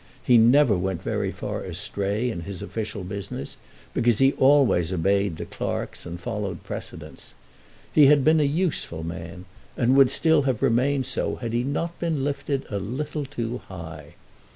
He never went very far astray in his official business, because he always obeyed the clerks and followed precedents. He had been a useful man, and would still have remained so had he not been lifted a little too high.